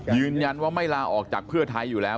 ยืนยันว่าไม่ลาออกจากเพื่อไทยอยู่แล้ว